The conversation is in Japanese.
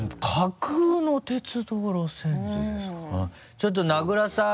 ちょっと名倉さん。